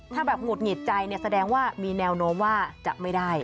ถ้าแบบหงุดหงิดใจแสดงว่ามีแนวโน้มว่าจะไม่ได้